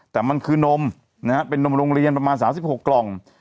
แต่มันคือนมนะฮะเป็นนมโรงเรียนประมาณ๓๖กล่อง